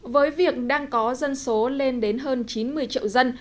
với việc đang có dân số lên đến hơn chín mươi triệu dân